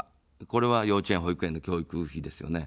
これは幼稚園、保育園の教育費ですよね。